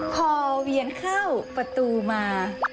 พอเวียนเข้าประตูมา